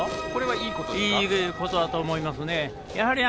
いいことだと思いますね。